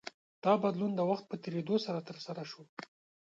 دا بدلون د وخت په تېرېدو ترسره شو.